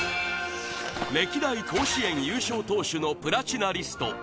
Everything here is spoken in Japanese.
歴代甲子園優勝投手のプラチナリスト